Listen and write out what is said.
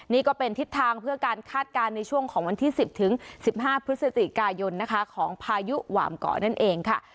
นี่ก็เป็นทิศทางเพื่อการคาดการณ์ในช่วงของวันที่๑๐๑๕พฤศจิกายนนะคะของพายุหว่ามเกาะนั่นเองค่ะ